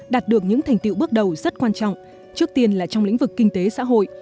đạt được những thành tiệu bước đầu rất quan trọng trước tiên là trong lĩnh vực kinh tế xã hội